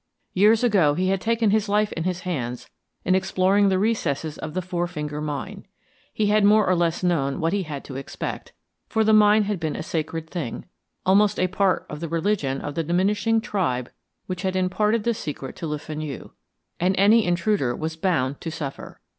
Years ago he had taken his life in his hands in exploring the recesses of the Four Finger Mine; he had more or less known what he had to expect, for the mine had been a sacred thing, almost a part of the religion of the diminishing tribe which had imparted the secret to Le Fenu, and any intruder was bound to suffer.